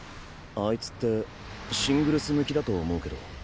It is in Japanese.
あいつってシングルス向きだと思うけど。